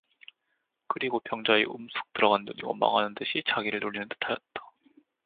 그리고 병자의 움쑥 들어간 눈이 원망하는 듯이 자기를 노리는 듯하였다.